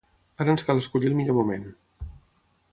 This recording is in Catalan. Ara ens cal escollir el millor moment.